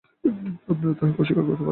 আপনারা তাঁহাকে অস্বীকার করিতে পারেন না।